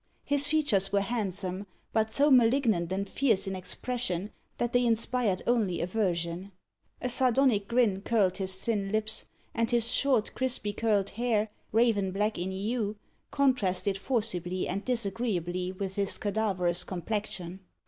His features were handsome, but so malignant and fierce in expression, that they inspired only aversion. A sardonic grin curled his thin lips, and his short, crisply curled hair, raven black in hue, contrasted forcibly and disagreeably with his cadaverous complexion.